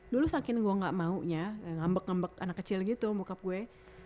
dulu saking gue gak maunya ngebek ngebek anak kecil gitu bokap gue